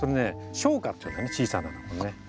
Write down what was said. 小花っていうんだね小さな花ね。